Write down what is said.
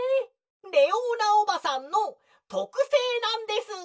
「レオーナおばさんのとくせいなんです！」。